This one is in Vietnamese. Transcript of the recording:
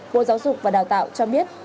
bộ giáo dục và đào tạo cho biết